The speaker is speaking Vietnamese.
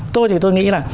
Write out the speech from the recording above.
tôi thì tôi nghĩ là